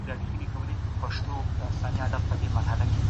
چیرته کولای سو استازی په سمه توګه مدیریت کړو؟